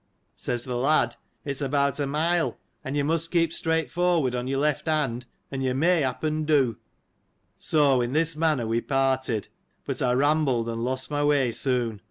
Says th' lad. It's about a mile, and you must keep straight for ward on your left hand, and you may happen do} So, in this manner we parted ; but I rambled, and lost my way soon.